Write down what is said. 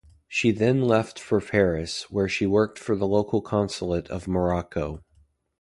She then left for Paris, where she worked for the local consulate of Morocco.